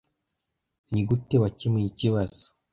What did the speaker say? Nigute wakemuye ikibazo?